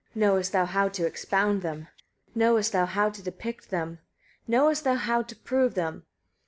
knowest thou how to expound them? knowest thou how to depict them? knowest thou how to prove them?